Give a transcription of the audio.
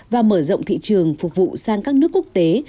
và mở rộng thị trường phục vụ sang các nước quốc tế